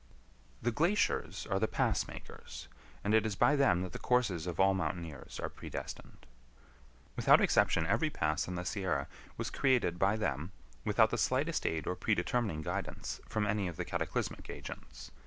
The glaciers are the pass makers, and it is by them that the courses of all mountaineers are predestined. Without exception every pass in the Sierra was created by them without the slightest aid or predetermining guidance from any of the cataclysmic agents.